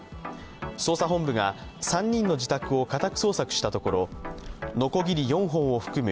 捜査本部が３人の自宅を家宅捜索したところのこぎり４本を含む